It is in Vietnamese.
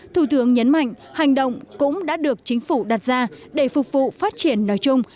thủ tướng nhấn mạnh hành động cũng đã được chính phủ đặt ra để phục vụ phát triển nói chung